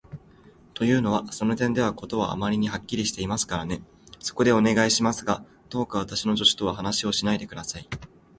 というのは、その点では事はあまりにはっきりしていますからね。そこで、お願いしますが、どうか私の助手とは話をしないで下さい。